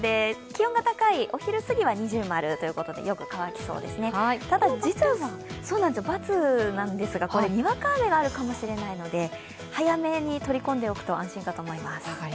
気温が高い、お昼過ぎは◎ということでただ、×なんですが、にわか雨があるかもしれないので早めに取り込んでおくと安心かと思います。